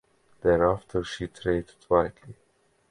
Thereafter she traded widely.